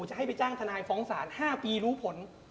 จะให้ไปจ้างทนายฟ้องศาล๕ปีรู้ผล